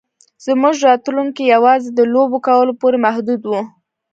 زموږ راتلونکی یوازې د لوبو کولو پورې محدود و